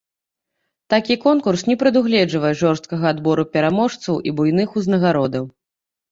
Такі конкурс не прадугледжвае жорсткага адбору пераможцаў і буйных узнагародаў.